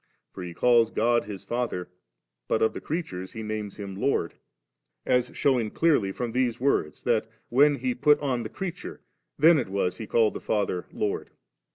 For He calls God His Father, but of the creatures He names Him Lord; as shewing clearly from these words, that, when He put on the crea ture3, then it was He called the Father Lord.